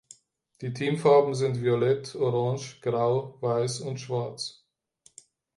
Die Teamfarben sind Violett, Orange, Grau, Weiß und Schwarz.